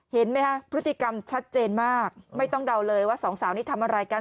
เห็นไหมฮะพฤติกรรมชัดเจนมากไม่ต้องเดาเลยว่าสองสาวนี้ทำอะไรกัน